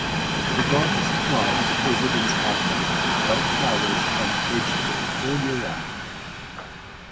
The garden supplies the President's household with both flowers and vegetables all year round.